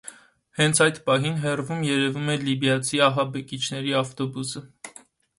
Հենց այդ պահին հեռվում երևում է լիբիացի ահաբեկիչների ավտոբուսը։